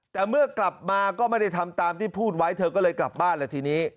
แต่เมื่อกลับมาก็ไม่ได้ทำตามที่พูดไว้เธอก็เลยกลับบ้านแล้วทีนี้